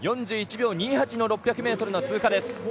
４１秒２８で６００ｍの通過です。